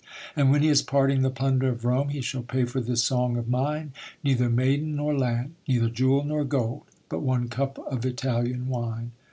And when he is parting the plunder of Rome, He shall pay for this song of mine, Neither maiden nor land, neither jewel nor gold, But one cup of Italian wine.